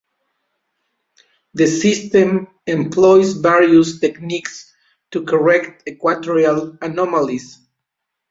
The system employs various techniques to correct equatorial anomalies.